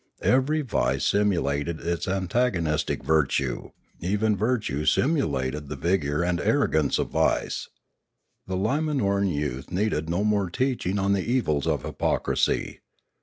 Every vice simulated its antagonistic virtue; even virtue simulated the vigour and arrogance of vice. The Umanoran youth needed no more teaching on the evils of hypocrisy.